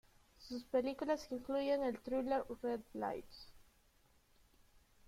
Sus películas incluyen el thriller "Red Lights".